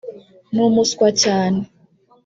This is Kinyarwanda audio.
ni umuswa cyane.